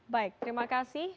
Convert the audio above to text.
baik terima kasih